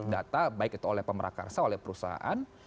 data baik itu oleh pemerakarsa oleh perusahaan